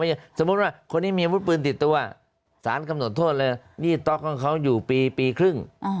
แต่ข้อมูลที่มีวุดปืนติดตัวสารกำหนดโทษเลยเอาอยู่ปีปีครึ่ง